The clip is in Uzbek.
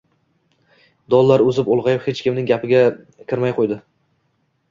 Dollar o'sib, ulg'ayib hech kimning gapiga kirmay qo'ydi!